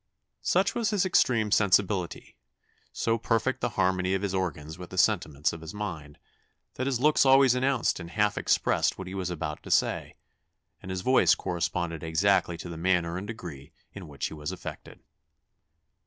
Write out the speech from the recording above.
Such was his extreme sensibility, so perfect the harmony of his organs with the sentiments of his mind, that his looks always announced and half expressed what he was about to say, and his voice corresponded exactly to the manner and degree in which he was affected."